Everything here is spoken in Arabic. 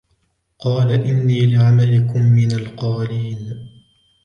قال إني لعملكم من القالين